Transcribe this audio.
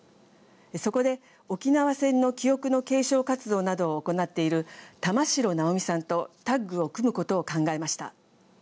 そこで沖縄戦の記憶の継承活動などを行っている玉城直美さんとタッグを組むことを考えました。